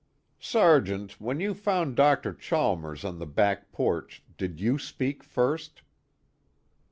"Sergeant, when you found Dr. Chalmers on the back porch, did you speak first?"